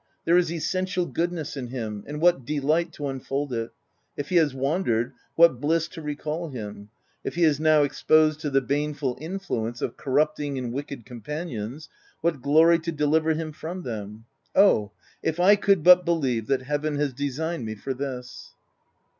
There is essential good ness in him ;— and what delight to unfold it ! If he has wandered, what bliss to recall him ! If he is now exposed to the baneful influence of corrupting and wicked companions, what glory to deliver him from them !— Oh ! if I could but believe that Heaven has designed me for this